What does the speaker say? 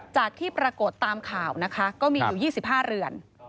จากที่ปรากฏตามข่าวนะคะก็มีอยู่๒๕เรือน